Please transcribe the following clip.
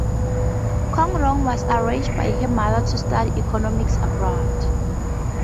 Cong Rong was arranged by her mother to study economics abroad.